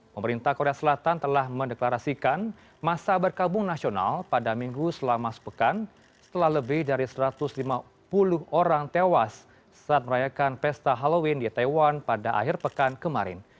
pemerintah korea selatan telah mendeklarasikan masa berkabung nasional pada minggu selama sepekan setelah lebih dari satu ratus lima puluh orang tewas saat merayakan pesta halloween di taiwan pada akhir pekan kemarin